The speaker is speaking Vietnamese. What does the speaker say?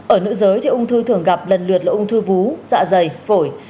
ở nữ giới thì ung thư thường gặp lần lượt là ung thư vú dạ dày phổi